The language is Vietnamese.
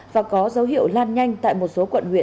và có dấu hiệu lan nhanh tại một số quận huyện